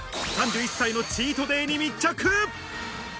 ３１歳のチードデイに密着。